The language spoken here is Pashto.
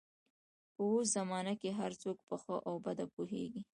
په اوس زمانه کې هر څوک په ښه او بده پوهېږي.